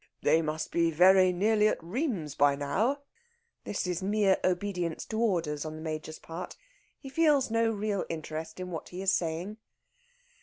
"They must be very nearly at Rheims by now." This is mere obedience to orders on the Major's part. He feels no real interest in what he is saying.